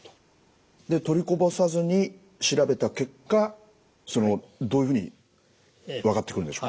で取りこぼさずに調べた結果どういうふうに分かってくるんでしょうか？